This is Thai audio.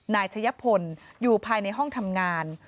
นายชะยะพลอยู่ภายในห้องทำงาน